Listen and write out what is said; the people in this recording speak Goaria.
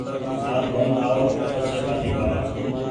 هآٿ ڌون آو پڇي ٻآٽي کآوآن